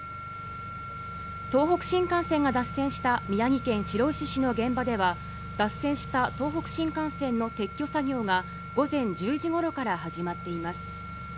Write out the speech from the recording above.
東北新幹線が脱線した宮城県白石市の現場では脱線した東北新幹線の撤去作業が午前１０時ごろから始まっています。